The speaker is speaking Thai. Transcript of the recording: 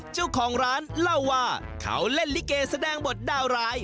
เจ้าของร้านเล่าว่าเขาเล่นลิเกแสดงบทดาวร้าย